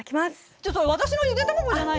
ちょっと私のゆで卵じゃないの？